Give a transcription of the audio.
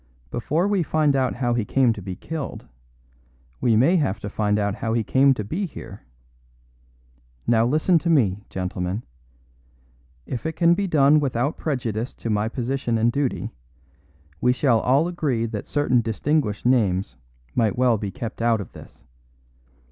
"Before we find out how he came to be killed, we may have to find out how he came to be here. Now listen to me, gentlemen. If it can be done without prejudice to my position and duty, we shall all agree that certain distinguished names might well be kept out of this.